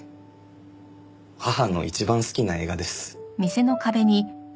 母の一番好きな映画です。